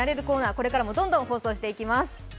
これからもどんどん放送していきます。